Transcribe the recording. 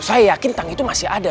saya yakin tang itu masih ada